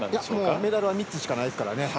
メダルは３つしかないですからね。